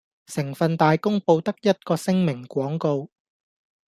成份大公報得一個聲明廣告